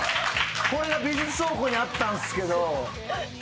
これが美術倉庫にあったんすけど。